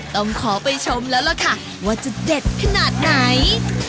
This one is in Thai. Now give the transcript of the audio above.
ต้องขอไปชมแล้วล่ะค่ะว่าจะเด็ดขนาดไหน